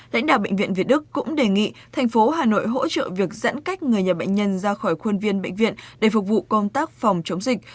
lãnh đạo bệnh viện việt đức cũng đề nghị thành phố hà nội hỗ trợ việc giãn cách người nhà bệnh nhân ra khỏi khuôn viên bệnh viện để phục vụ công tác phòng chống dịch